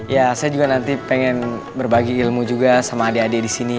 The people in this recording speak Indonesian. ya saya juga nanti pengen berbagi ilmu juga sama adik adik di sini